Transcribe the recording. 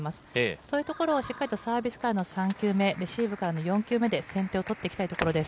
そういうところをしっかりとサービスからの３球目レシーブからの４球目で先手を取りたいところです。